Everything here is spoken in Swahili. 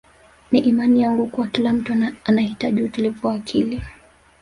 Ni imani yangu kuwa kila mtu anahitaji utulivu wa akili